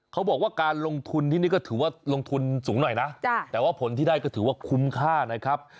เขาบอกว่าการลงทุนที่นี่ก็ถือว่าลงทุนสูงหน่อยนะแต่ว่าผลที่ได้ก็ถือว่าคุ้มค่านะครับ